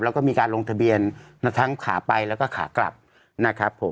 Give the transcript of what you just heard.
แล้วก็มีการลงทะเบียนทั้งขาไปแล้วก็ขากลับนะครับผม